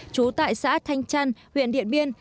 chú tại xã thanh trăn huyện điện biên